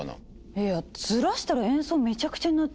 いやいやずらしたら演奏めちゃくちゃになっちゃうじゃん。